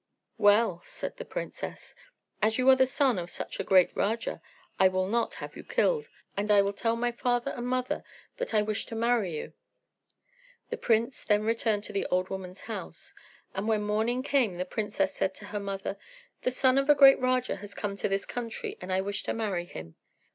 "Well," said the princess, "as you are the son of such a great Raja, I will not have you killed, and I will tell my father and mother that I wish to marry you." The prince then returned to the old woman's house; and when morning came the princess said to her mother, "The son of a great Raja has come to this country, and I wish to marry him."